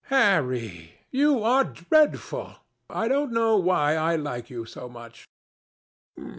"Harry, you are dreadful! I don't know why I like you so much."